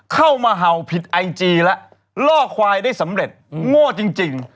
เข้ามาเห่าผิดไอจีแล้วล่อควายได้สำเร็จโง่จริง